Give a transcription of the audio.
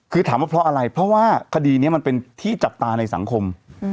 คือถามว่าเพราะอะไรเพราะว่าคดีนี้มันเป็นที่จับตาในสังคม